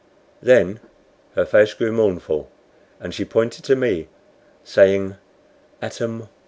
Then her face grew mournful, and she pointed to me, saying "Atam or."